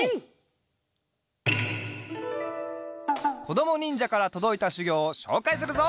こどもにんじゃからとどいたしゅぎょうをしょうかいするぞ。